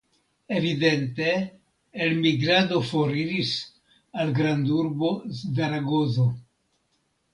Evidente elmigrado foriris al grandurbo Zaragozo.